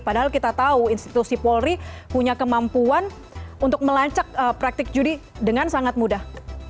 padahal kita tahu institusi polri punya kemampuan untuk melacak praktik judi dengan sangat mudah